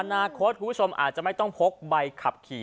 อนาคตคุณผู้ชมอาจจะไม่ต้องพกใบขับขี่